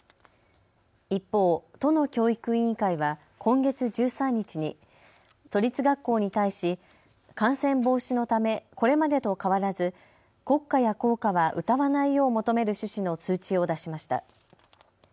一方、都の教育委員会は今月１３日に都立学校に対し感染防止のためこれまでと変わらず国歌や校歌は歌わないよう求める趣旨の通知を出しました。